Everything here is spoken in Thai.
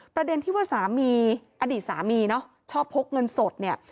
ประเด็นที่ว่าสามีอดีตสามีเนาะชอบพกเงินสดเนี่ย